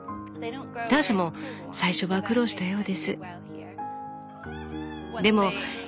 ターシャも最初は苦労したようです。